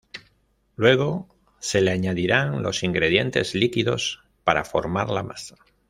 Luego se le añadirán los ingredientes líquidos para formar la masa.